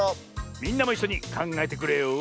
みんなもいっしょにかんがえてくれよ！